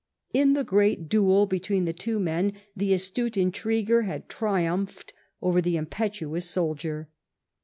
In the great duel between the two men the astute intriguer had triumphed over the impetuous soldier.